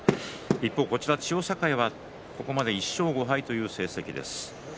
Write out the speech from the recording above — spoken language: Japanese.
一方、千代栄はここまで１勝５敗という成績です。